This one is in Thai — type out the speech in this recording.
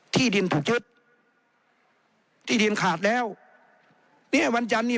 ที่ดินถูกยึดที่ดินขาดแล้วเนี่ยวันจันทร์นี่